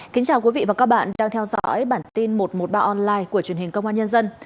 kính chào quý vị và các bạn đang theo dõi bản tin một trăm một mươi ba online của truyền hình công an nhân dân